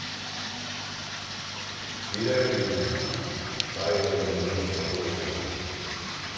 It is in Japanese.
ユダヤ人にはバイオリンの名手が多いそうだな。